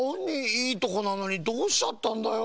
いいとこなのにどうしちゃったんだよ。